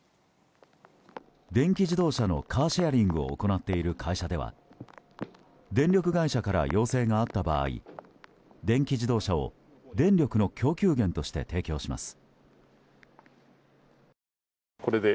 電気自動車のカーシェアリングを行っている会社では電力会社から要請があった場合電気自動車を電力の供給源として提供します。